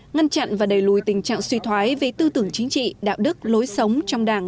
ngăn chặn và đẩy lùi tình trạng suy thoái về tư tưởng chính trị đạo đức lối sống trong đảng